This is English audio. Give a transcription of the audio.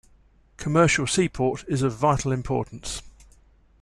Commercial seaport is of vital importance.